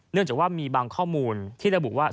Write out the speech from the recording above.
เนื่องจากว่ามีบางข้อมูลที่และบุว่า